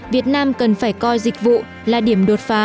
việt nam cần phải coi dịch vụ là điểm đột phá